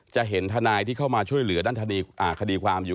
จะเห็นทนายที่เข้ามาช่วยเหลือด้านคดีความอยู่